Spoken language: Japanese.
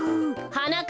はなか